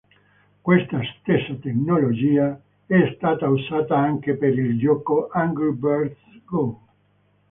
Questa stessa tecnologia è stata usata anche per il gioco Angry Birds Go!.